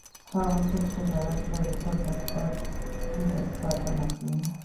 هغه څوک چې غیرت لري، تل د خپل عزت ساتنه کوي.